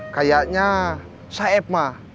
kayaknya saeb mah